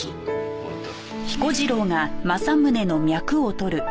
わかった。